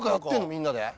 みんなで？